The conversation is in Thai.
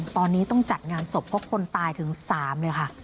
ตอนนี้ต้องจัดงานศพเพราะคนตายถึง๓เลยค่ะ